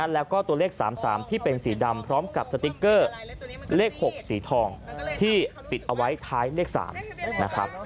แล้วก็ตัวเลข๓๓ที่เป็นสีดำพร้อมกับสติ๊กเกอร์เลข๖สีทองที่ติดเอาไว้ท้ายเลข๓นะครับ